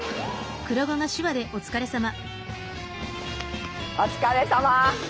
お疲れさま！